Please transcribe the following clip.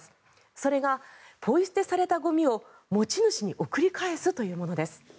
それがポイ捨てされたゴミを持ち主に送り返すというものです。